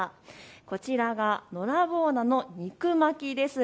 こちらがのらぼう菜の肉巻きです。